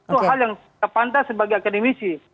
itu hal yang tidak pantas sebagai akademisi